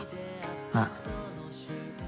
ああ。